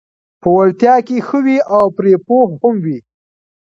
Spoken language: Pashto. په وړتیا کې ښه وي او پرې پوه هم وي: